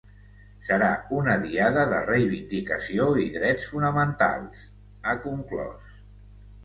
Serà una diada de reivindicació i drets fonamentals, ha conclòs.